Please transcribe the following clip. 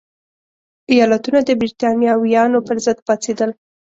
ایالتونه د برېټانویانو پرضد پاڅېدل.